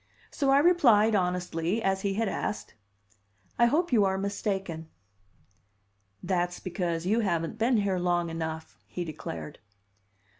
So I replied, honestly, as he had asked: "I hope you are mistaken." "That's because you haven't been here long enough," he declared.